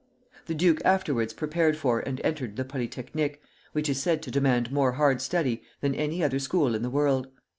The duke afterwards prepared for and entered the Polytechnic, which is said to demand more hard study than any other school in the world.